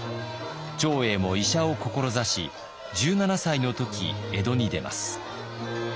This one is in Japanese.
長英も医者を志し１７歳の時江戸に出ます。